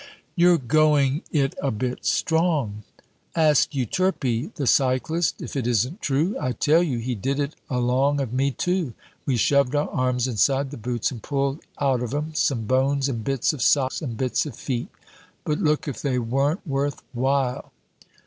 "You're going it a bit strong!" "Ask Euterpe the cyclist if it isn't true. I tell you he did it along of me, too. We shoved our arms inside the boots and pulled out of 'em some bones and bits of sock and bits of feet. But look if they weren't worth while!"